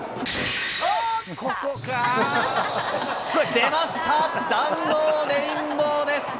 出ました、弾道レインボーです。